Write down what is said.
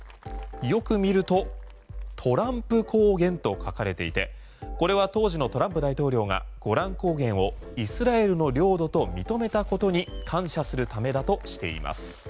よく見るとトランプ高原と書かれていてこれは当時のトランプ大統領がゴラン高原をイスラエルの領土と認めたことに感謝するためだとしています。